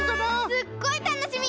すっごいたのしみ！